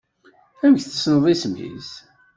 Amek tessneḍ isem-is?